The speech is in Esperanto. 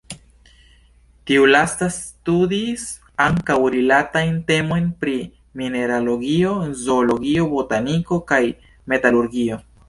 Tiu lasta studis ankaŭ rilatajn temojn pri mineralogio, zoologio, botaniko, kaj metalurgio.